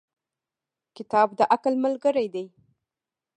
• کتاب د عقل ملګری دی.